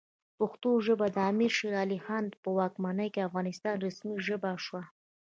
پښتو ژبه د امیر شیرعلی خان په واکمنۍ کې د افغانستان رسمي ژبه شوه.